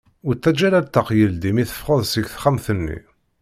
Ur ttaǧǧa ara ṭṭaq yeldi mi teffɣeḍ seg texxamt-nni.